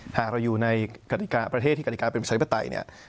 หากเราอยู่ในประเทศที่มีกฎิกาเป็นประชาธิปไตย